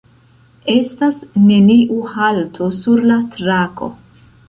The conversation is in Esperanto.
Estas neniu halto sur la trako.